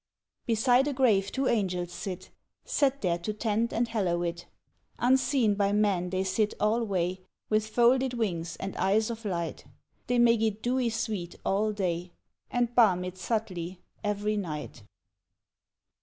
Beside a grave two Angels sit, Set there to tend and hallow it ; Unseen by men they sit alway ; With folded wings and eyes of light They make it dewy sweet all day, And balm it subtly every night.